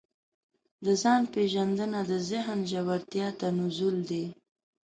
د ځان پېژندنه د ذهن ژورتیا ته نزول دی.